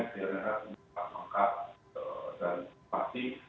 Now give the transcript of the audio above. sebenarnya sangat lengkap dan pasti